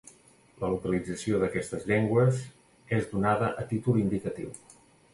La localització d'aquestes llengües és donada a títol indicatiu.